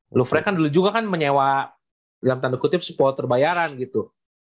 dulu fred kan dulu juga kan menyewa dalam tanda kutip supporter bayaran gitu